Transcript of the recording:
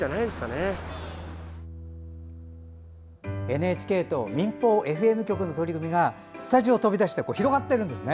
ＮＨＫと民放ＦＭ局の取り組みがスタジオを飛び出して広がってるんですね。